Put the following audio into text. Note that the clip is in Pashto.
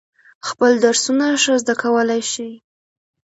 خپل درسونه ښه زده کولای شي.